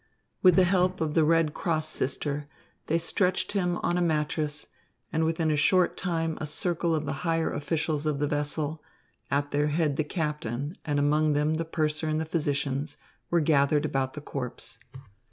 With the help of the Red Cross sister, they stretched him on a mattress, and within a short time a circle of the higher officials of the vessel, at their head the captain, and among them the purser and the physicians, were gathered about the corpse.